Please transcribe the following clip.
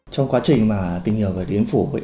trong quá trình mà tình hiệu về điện phủ